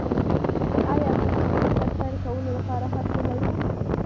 خو ایا موږ د شرکت پیل کولو لپاره هرڅه لرو